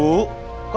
kok apa apa ganti rugi